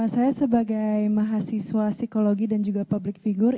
saya sebagai mahasiswa psikologi dan juga public figure